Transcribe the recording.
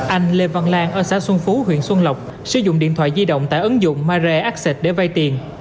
anh lê văn lan ở xã xuân phú huyện xuân lộc sử dụng điện thoại di động tại ứng dụng mare access để vay tiền